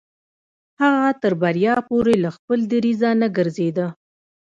هغه تر بريا پورې له خپل دريځه نه ګرځېده.